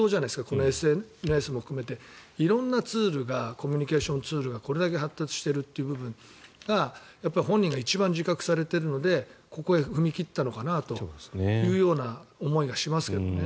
このＳＮＳも含めて色んなツールがコミュニケーションツールがこれだけ発達している部分というのは本人が一番自覚されているのでここへ踏み切ったのかなというような思いがしますけどね。